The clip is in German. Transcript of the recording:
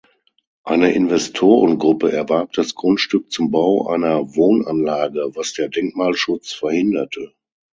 Eine Investorengruppe erwarb das Grundstück zum Bau einer Wohnanlage, was der Denkmalschutz verhinderte.